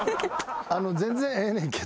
全然ええねんけど。